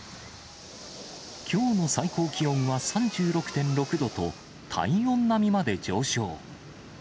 きょうの最高気温は３６．６度と、体温並みまで上昇。